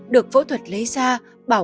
được phẫu thuật lấy ra